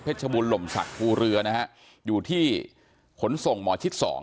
เพชรบูลหล่มสักภูเรืออยู่ที่ขนส่งหมอชิด๒